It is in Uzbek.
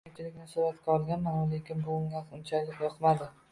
men koʻpchilikni suratga olganman-u, lekin bu unga unchalik yoqmadi